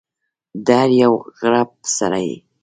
د هر یو غړپ سره یې